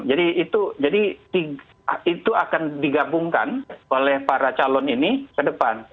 jadi itu akan digabungkan oleh para calon ini ke depan